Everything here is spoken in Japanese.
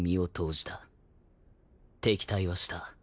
敵対はした。